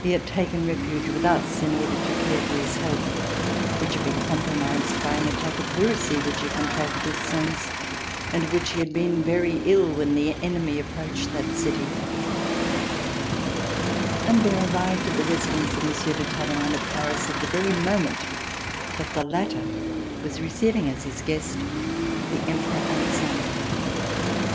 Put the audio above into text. Driven from his sous prefecture by the Wiirtembergers, he had taken refuge with us in order to care for his health which had been compromised by an attack of pleurisy which he contracted at Sens and of which he had been very ill when the enemy approached that city. Humbert arrived at the residence of Monsieur de Talleyrand, at Paris, at the very moment that the latter was receiving as his guest the Emperor Alexander.